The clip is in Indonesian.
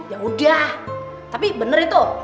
ya udah tapi bener itu